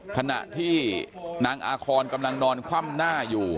ขณะที่นางอาคอนกำลังนอนคว่ำหน้าอยู่